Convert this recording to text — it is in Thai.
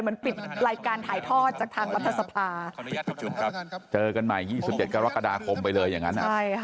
เหมือนปิดรายการถ่ายทอดจากทางรัฐสภาพขออนุญาตถูกจุดครับเจอกันใหม่๒๗กรกฎาคมไปเลยอย่างนั้น